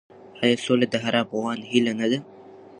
آیا سوله د هر افغان هیله نه ده؟